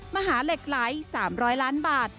มหาเหล็กไหล๓๐๐ล้านบาท